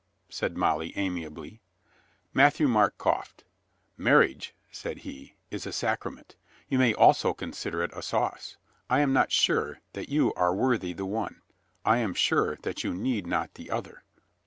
said Molly amiably. Matthieu Marc coughed. "Marriage," said he, "is a sacrament ; you may also consider it a sauce. I am not sure that you are worthy the one. I am sure that you need not the other."